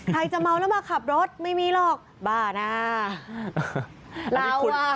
ใครจะเมาแล้วมาขับรถไม่มีหรอกบ้าหน้าเราว่า